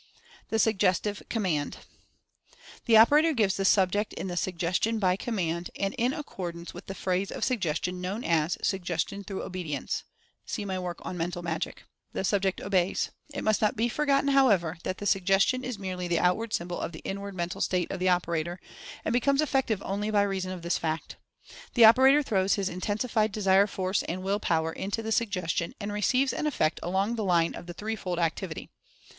THE SUGGESTIVE COMMAND. The operator gives the subject the "Suggestion by Command," and in accordance with the phase of Sug gestion known as "Suggestion through Obedience" (see my work on "Mental Magic") the subject obeys. It must not be forgotten, however, that the Suggestion is merely the outward symbol of the inward mental state of the operator, and becomes effective only by reason of this fact. The operator throws his intensi fied Desire force and Will power into the Suggestion, and receives an effect along the line of the three fold activity.